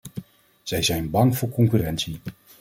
Zij zijn bang voor concurrentie.